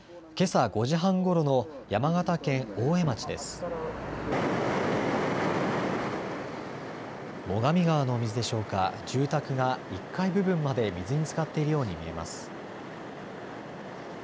最上川の水でしょうか、住宅が１階部分まで水につかっているように見えます。